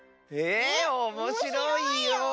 えおもしろいよ。